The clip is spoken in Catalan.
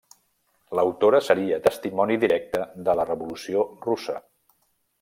L'autora seria testimoni directe de la Revolució Russa.